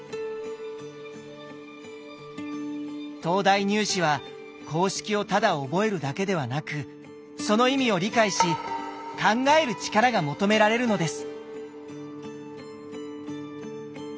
東大入試は公式をただ覚えるだけではなくその意味を理解し考える力が求められるのです。